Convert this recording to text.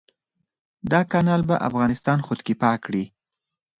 دا کانال به افغانستان خودکفا کړي.